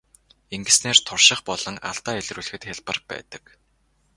Ингэснээр турших болон алдаа илрүүлэхэд хялбар байдаг.